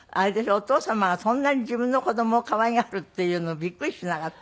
お父様がそんなに自分の子供を可愛がるっていうのびっくりしなかった？